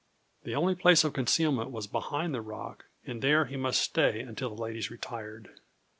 The only place of concealment was behind the rock, and there he must stay until the ladies retired.